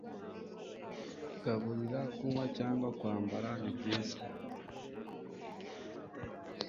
Kugaburira, kunywa cyangwa kwambara; ni byiza